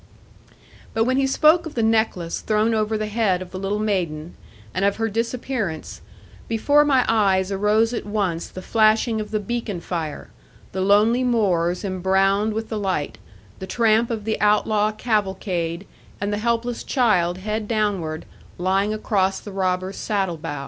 But when he spoke of the necklace thrown over the head of the little maiden, and of her disappearance, before my eyes arose at once the flashing of the beacon fire, the lonely moors embrowned with the light, the tramp of the outlaw cavalcade, and the helpless child head downward, lying across the robber's saddle bow.